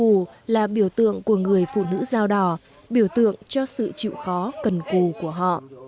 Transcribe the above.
bánh trưng gù là biểu tượng của người phụ nữ dao đỏ biểu tượng cho sự chịu khó cần cù của họ